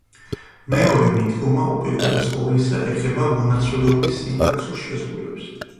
მეორე მიდგომა უპირველეს ყოვლისა ეხება მონაცვლეობის სინტაქსურ შეზღუდვებს.